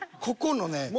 ここのね。